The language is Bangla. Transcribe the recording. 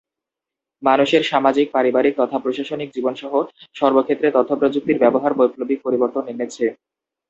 মানুষের সামাজিক, পারিবারিক তথা প্রশাসনিক জীবন সহ সর্বক্ষেত্রে তথ্য প্রযুক্তির ব্যবহার বৈপ্লবিক পরিবর্তন এনেছে।